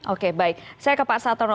oke baik saya ke pak satono